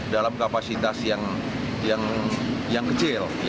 dalam kapasitas yang kecil